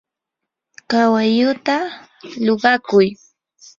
kawalluta luqakuy.